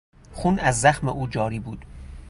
خون از زخم او جاری بود.